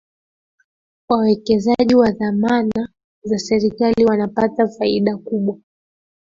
wawekezaji wa dhamana za serikali wanapata faida kubwa